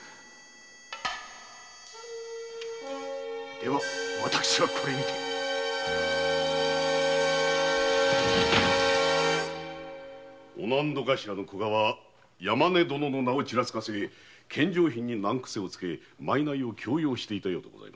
〔では私はこれにて〕御納戸頭・古賀は山根殿の名をちらつかせ献上品に難癖をつけ賂を強要していたようでございます。